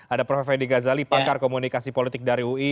ada prof fendi ghazali pakar komunikasi politik dari ui